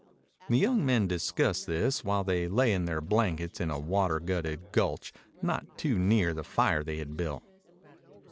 The young men discussed this while they lay in their blankets in a water gutted gulch not too near the fire they had built.